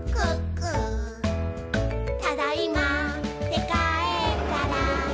「ただいまーってかえったら」